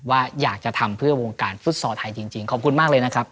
ว่าอยากจะทำเพื่อวงการฟุตซอลไทยจริงขอบคุณมากเลยนะครับ